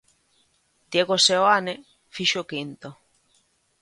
Diego Seoane fixo o quinto.